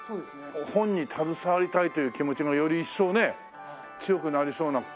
本に携わりたいという気持ちがより一層ね強くなりそうな。